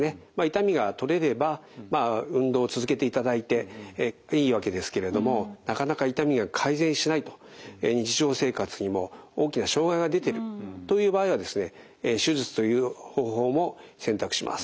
痛みが取れれば運動を続けていただいていいわけですけれどもなかなか痛みが改善しないと日常生活にも大きな障害が出ているという場合はですね手術という方法も選択します。